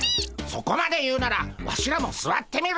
そこまで言うならワシらもすわってみるでゴンス。